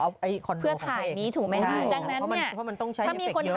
คอนโดของพระเอกใช่เพราะมันต้องใช้เอฟเฟคเยอะ